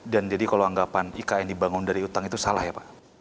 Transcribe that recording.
dan jadi kalau anggapan ikn dibangun dari utang itu salah ya pak